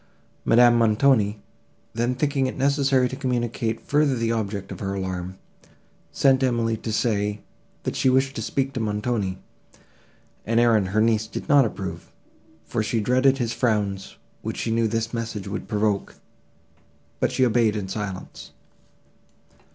Madame Montoni, then thinking it necessary to communicate further the object of her alarm, sent Emily to say, that she wished to speak to Montoni; an errand her niece did not approve, for she dreaded his frowns, which she knew this message would provoke; but she obeyed in silence.